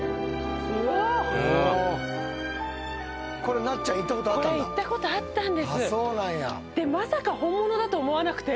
これなっちゃん行ったことあったんだ？